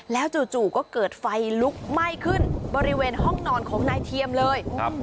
แล้วจู่ก็เกิดไฟลุกไหม้ขึ้นบริเวณห้องนอนของนายเทียมเลย